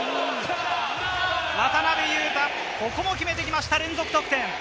渡邊雄太、ここも決めてきました、連続得点。